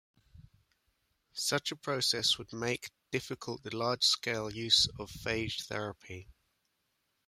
Such a process would make difficult the large-scale use of phage therapy.